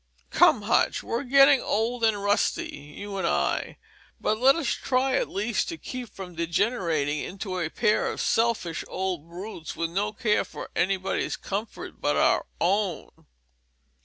Come, Hutch; we're getting old and rusty, you and I, but let us try at least to keep from degenerating into a pair of selfish old brutes with no care for anybody's comfort but our own."